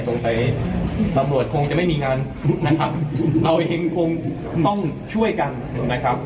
ตำรวจคงจะไม่มีงานนะครับเราเองคงต้องช่วยกันนะครับ